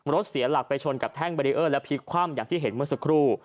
เสียหลักไปชนกับแท่งเบรีเออร์และพลิกคว่ำอย่างที่เห็นเมื่อสักครู่